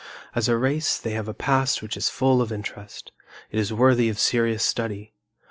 As a race they have a past which is full of interest. It is worthy of serious study.